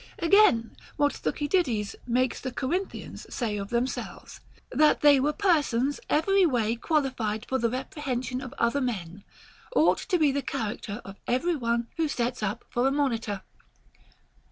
Again, what Thucydides £ makes the Corinthians say of themselves, that they were persons every way qualified for the reprehension of other men, ought to be the character of every one who sets up for a monitor.